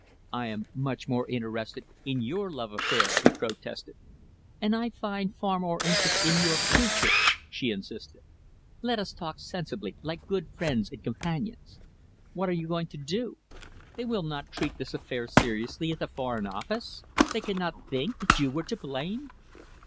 "I am much more interested in your love affair," he protested. "And I find far more interest in your future," she insisted. "Let us talk sensibly, like good friends and companions. What are you going to do? They will not treat this affair seriously at the Foreign Office? They cannot think that you were to blame?"